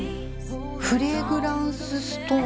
フレグランスストーン。